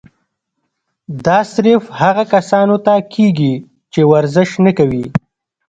دا صرف هغه کسانو ته کيږي چې ورزش نۀ کوي